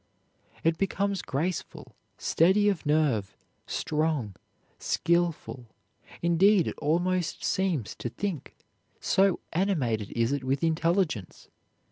It becomes graceful, steady of nerve, strong, skilful, indeed it almost seems to think, so animated is it with intelligence.